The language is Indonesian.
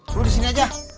lu di sini aja